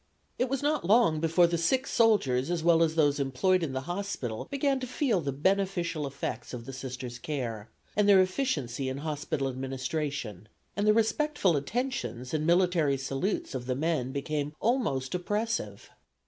It was not long before the sick soldiers as well as those employed in the hospital began to feel the beneficial effects of the Sisters' care, and their efficiency in hospital administration; and the respectful attentions and military salutes of the men became almost oppressive.